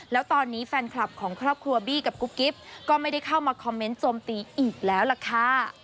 แล้วตอนนี้แฟนคลับของครอบครัวบี้กับกุ๊กกิ๊บก็ไม่ได้เข้ามาคอมเมนต์โจมตีอีกแล้วล่ะค่ะ